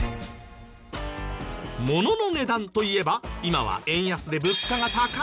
ものの値段といえば今は円安で物価が高いっていうけど。